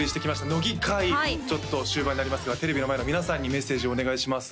乃木回ちょっと終盤になりますがテレビの前の皆さんにメッセージをお願いします